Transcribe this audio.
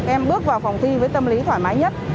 các em bước vào phòng thi với tâm lý thoải mái nhất